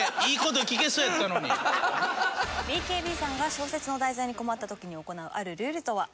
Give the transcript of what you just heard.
ＢＫＢさんが小説の題材に困った時に行うあるルールとは？